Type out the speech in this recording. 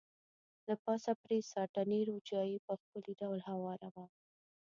له پاسه پرې ساټني روجايي په ښکلي ډول هواره وه.